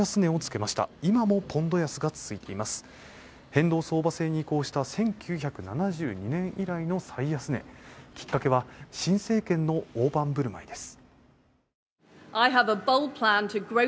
変動相場制に移行した１９７２年以来の最安値、きっかけは新政権の大盤振る舞いです。